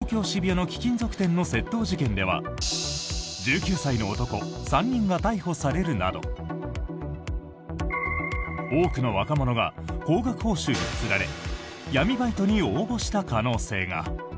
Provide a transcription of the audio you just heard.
また、去年１２月東京・渋谷の貴金属店の窃盗事件では１９歳の男３人が逮捕されるなど多くの若者が高額報酬につられ闇バイトに応募した可能性が。